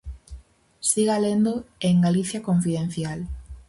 Siga lendo en Galicia Confidencial.